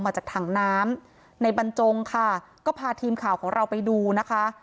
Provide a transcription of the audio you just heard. มาจากถังน้ำในบรรจงค่ะก็พาทีมข่าวของเราไปดูนะคะ